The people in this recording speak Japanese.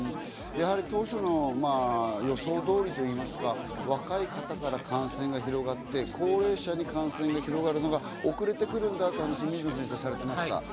やはり当初の予想通りといいますか、若い方から感染が広がって高齢者に感染が広がるのが遅れてくるんだという話を水野先生がされていました。